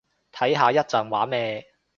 睇下一陣玩咩